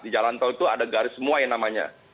di jalan tol itu ada garis semua yang namanya